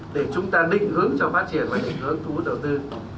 để chúng ta định hướng cho phát triển và định hướng thú đầu tư